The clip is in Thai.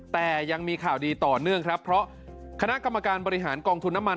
แต่ยังมีข่าวดีต่อเนื่องครับเพราะคณะกรรมการบริหารกองทุนน้ำมัน